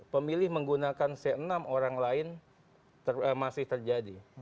pemilih menggunakan c enam orang lain masih terjadi